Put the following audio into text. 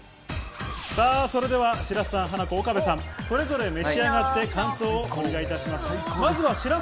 それでは白洲さん、ハナコ・岡部さん、それぞれ召し上がって感想をお願いします。